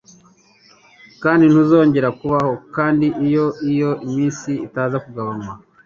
kandi ntuzongera kubaho. Kandi iyo iyo minsi itaza kugabanywa,